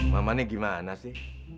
mama ini gimana sih